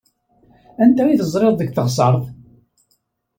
Anta i teẓriḍ deg teɣsert?